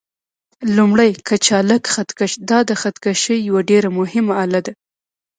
لومړی: کچالک خط کش: دا د خط کشۍ یوه ډېره مهمه آله ده.